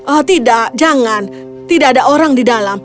oh tidak jangan tidak ada orang di dalam